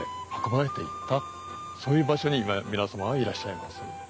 そういう場所に今皆様はいらっしゃいます。